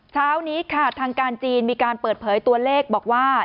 เช้านี้ค่ะทางการจีนมีการเปิดเผยตัวเลขบอกว่า